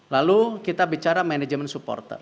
lalu kita bicara manajemen supporter